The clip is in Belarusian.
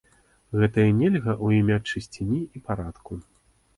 Гэтае нельга ў імя чысціні і парадку.